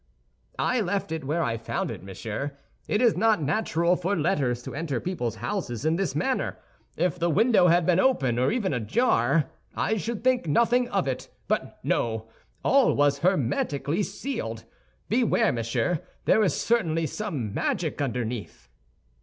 "I left it where I found it, monsieur. It is not natural for letters to enter people's houses in this manner. If the window had been open or even ajar, I should think nothing of it; but, no—all was hermetically sealed. Beware, monsieur; there is certainly some magic underneath."